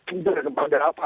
anger kepada apa